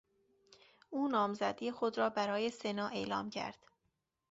او نامزدی خود را برای سنا اعلام کرد.